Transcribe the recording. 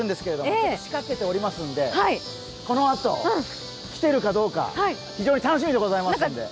仕掛けておりますので、このあと、来てるかどうか非常に楽しみでございますので。